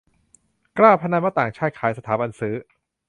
กล้าพนันว่าต่างชาติขาย สถาบันซื้อ